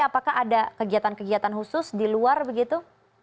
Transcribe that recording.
apakah ada kegiatan kegiatan khusus di luar begitu